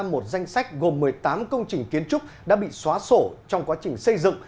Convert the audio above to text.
một danh sách gồm một mươi tám công trình kiến trúc đã bị xóa sổ trong quá trình xây dựng